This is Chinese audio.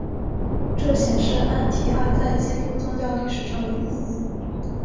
这显示安提阿在基督宗教历史上的意义。